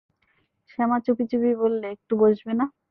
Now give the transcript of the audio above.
শ্যামা চুপি চুপি বললে, একটু বসবে না?